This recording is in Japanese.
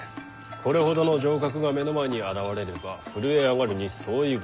これほどの城郭が目の前に現れれば震え上がるに相違ございませぬ。